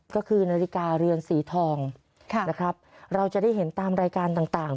ก็คือนาฬิกาเรือนสีทองนะครับเราจะได้เห็นตามรายการต่าง